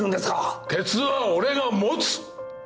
ケツは俺が持つ。